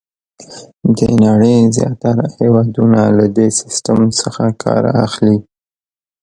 د نړۍ زیاتره هېوادونه له دې سیسټم څخه کار اخلي.